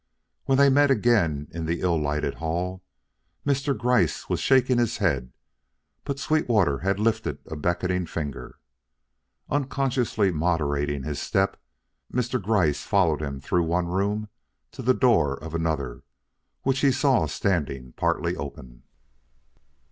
When they met again in the ill lighted hall, Mr. Gryce was shaking his head, but Sweetwater had lifted a beckoning finger. Unconsciously moderating his step, Mr. Gryce followed him through one room to the door of another which he saw standing partly open.